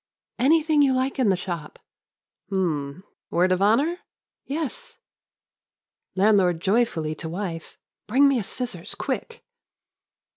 "Anything you like in the shop." "Hm, word of honor?" "Yes." Landlord joyfully to wife. "Bring me a scissors, quick